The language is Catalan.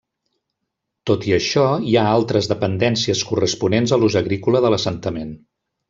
Tot i això hi ha altres dependències corresponents a l'ús agrícola de l'assentament.